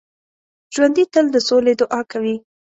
ژوندي تل د سولې دعا کوي